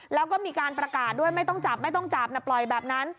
แล้วก็มีการประกาศด้วยไม่ต้องจับไม่ต้องจับนะปล่อยแบบนั้น